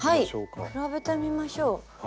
はい比べてみましょう。